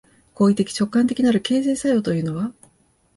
行為的直観的なる形成作用というのは、